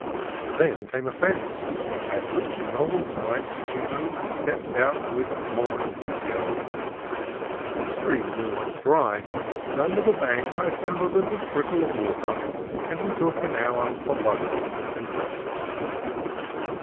Then came a fence, at which novel sight Chino stepped out with more enthusiasm. The stream was almost dry, but under the bank I found a little trickle of water, and we took an hour for lunch and rest.